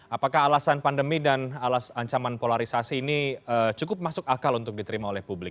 apakah alasan pandemi dan alasan polarisasi ini cukup masuk akal untuk diterima oleh publik